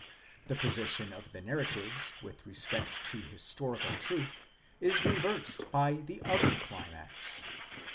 The position of the narratives with respect to historical truth is reversed by the other climax.